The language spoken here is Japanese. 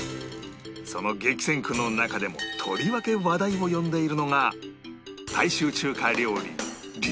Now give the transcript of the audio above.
その激戦区の中でもとりわけ話題を呼んでいるのが